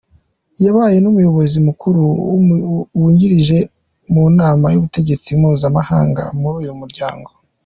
Yabaye n’umuyobozi mukuru wungirije mu nama y’ubutegetsi mpuzamahanga muri uyu muryango.